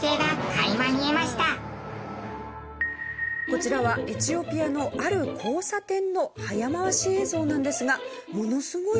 こちらはエチオピアのある交差点の早回し映像なんですがものすごい交通量です。